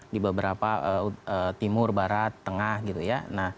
di beberapa timur barat tengah gitu ya